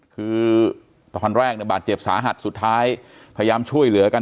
คือตอนแรกเนี่ยบาดเจ็บสาหัสสุดท้ายพยายามช่วยเหลือกัน